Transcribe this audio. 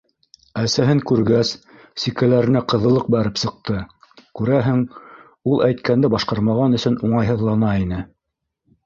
Әсәһен күргәс, сикәләренә ҡыҙыллыҡ бәреп сыҡты, күрәһең, ул әйткәнде башҡармаған өсөн уңайһыҙлана ине.